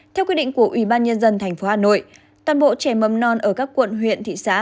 theo quy định của ubnd tp hà nội toàn bộ trẻ mầm non ở các quận huyện thị xã